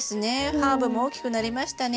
ハーブも大きくなりましたね。